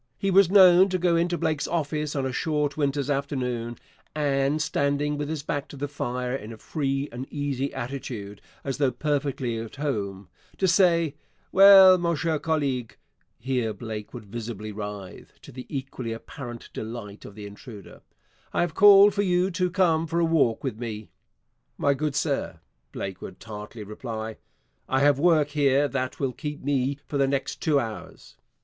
He was known to go into Blake's office on a short winter's afternoon, and, standing with his back to the fire in a free and easy attitude as though perfectly at home, to say, 'Well, mon cher collègue' (here Blake would visibly writhe, to the equally apparent delight of the intruder), 'I have called for you to come for a walk with me.' 'My good sir,' Blake would tartly reply, 'I have work here that will keep me for the next two hours.'